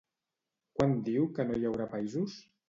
Quan diu que no hi haurà països?